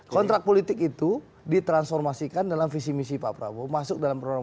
kontrak politik itu ditransformasikan dalam visi misi pak prabowo masuk dalam program